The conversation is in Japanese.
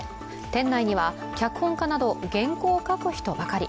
店内には、脚本家など原稿を書く人ばかり。